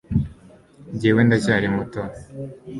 jyewe ndacyari muto